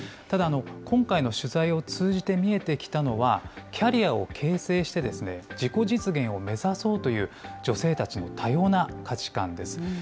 ただ、今回の取材を通じて見えてきたのは、キャリアを形成して、自己実現を目指そうという女性たちの多様な価値観です。